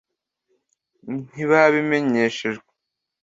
ntibabimenyeshejwe